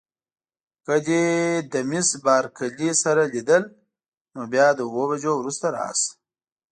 که دې له میس بارکلي سره لیدل نو بیا د اوو بجو وروسته راشه.